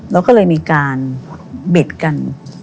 เราก็เลยมีการบิดกัน